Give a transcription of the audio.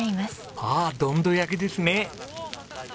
ああどんど焼きですね！